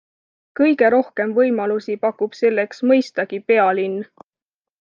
Kõige rohkem võimalusi pakub selleks mõistagi pealinn.